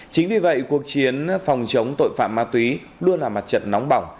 chính vì vậy cuộc chiến phòng chống tội phạm ma túy luôn là mặt trận nóng bỏng